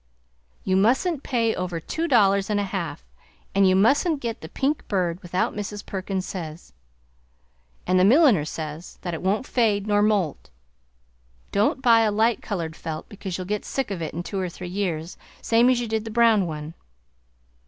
"You mustn't pay over two dollars and a half, and you mustn't get the pink bird without Mrs. Perkins says, and the milliner says, that it won't fade nor moult. Don't buy a light colored felt because you'll get sick of it in two or three years same as you did the brown one.